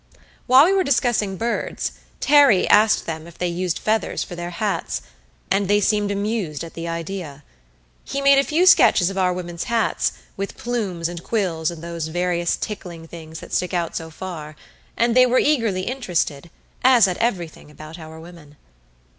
While we were discussing birds, Terry asked them if they used feathers for their hats, and they seemed amused at the idea. He made a few sketches of our women's hats, with plumes and quills and those various tickling things that stick out so far; and they were eagerly interested, as at everything about our women.